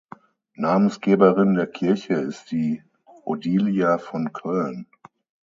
Namensgeberin der Kirche ist die Odilia von Köln.